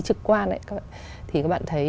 trực quan ấy thì các bạn thấy